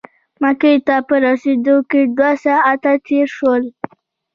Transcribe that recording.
مکې ته په رسېدو کې دوه ساعته تېر شول.